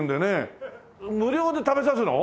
無料で食べさすの？